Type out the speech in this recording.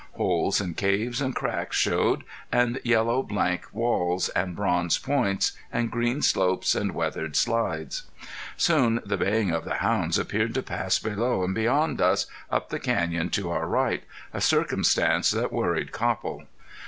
Holes and caves and cracks showed, and yellow blank walls, and bronze points, and green slopes, and weathered slides. Soon the baying of the hounds appeared to pass below and beyond us, up the canyon to our right, a circumstance that worried Copple.